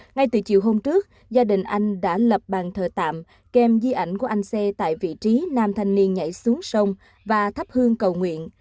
ngay từ chiều hôm trước gia đình anh đã lập bàn thờ tạm kèm di ảnh của anh xê tại vị trí nam thanh niên nhảy xuống sông và thắp hương cầu nguyện